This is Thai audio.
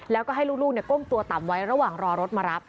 แล้วก็ให้ลูกก้มตัวต่ำไว้ระหว่างรอรถมารับ